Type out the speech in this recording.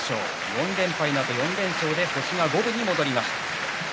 ４連敗のあと４連勝で星が五分に戻りました。